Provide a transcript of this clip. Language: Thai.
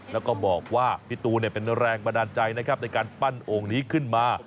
แล้วก็บอกว่าพี่ตูนเป็นแรงบันดาลใจนะครับในการปั้นโอ่งนี้ขึ้นมา